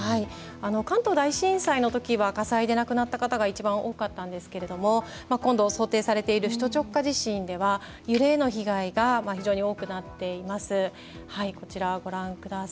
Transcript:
関東大震災の時は火災で亡くなった方が多かったんですが今度、想定されている首都直下地震では揺れの被害が大きくなっています。